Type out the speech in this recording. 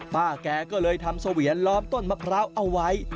ป้าแกก็เลยทำเสวียนล้อมต้นมะพร้าวเอาไว้